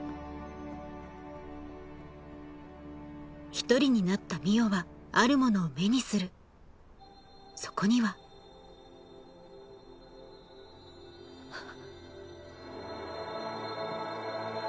１人になった海音はあるものを目にするそこにはハッ。